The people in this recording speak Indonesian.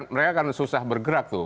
mereka akan susah bergerak tuh